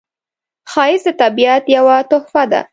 ښایست د طبیعت یوه تحفه ده